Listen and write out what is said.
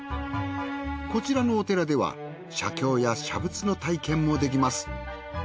こちらのお寺では写経や写仏の体験もできます。